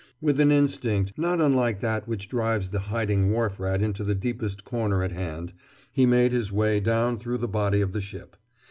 With an instinct not unlike that which drives the hiding wharf rat into the deepest corner at hand, he made his way down through the body of the ship.